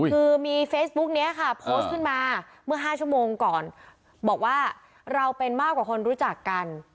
คือมีเฟซบุ๊กนี้ค่ะโพสต์ขึ้นมาเมื่อ๕ชั่วโมงก่อนบอกว่าเราเป็นมากกว่าคนรู้จักกัน